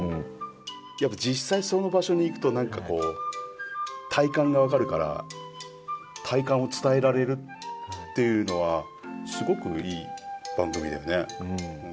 やっぱ実際その場所に行くと何かこう体感が分かるから体感を伝えられるっていうのはすごくいい番組だよね。